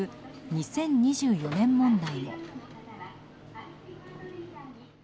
２０２４年問題。